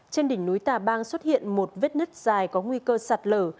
trên đỉnh núi tà bang xuất hiện một vết nứt dài có nguy cơ sạt lở